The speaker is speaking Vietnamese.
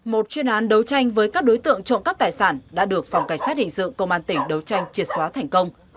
một chuyên án đấu tranh với các đối tượng trộm cắp tài sản đã được phòng cảnh sát hình sự công an tỉnh đấu tranh triệt xóa thành công